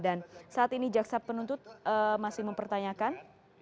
dan saat ini jaksat penuntut masih mempertanyakan